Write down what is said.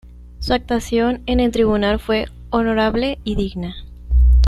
Su actuación en el tribunal fue honorable y digna.